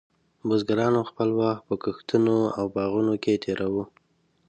بزګرانو خپل وخت په کښتونو او باغونو کې تېراوه.